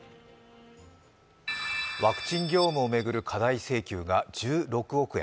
ワクチン業務を巡る過大請求が１６億円。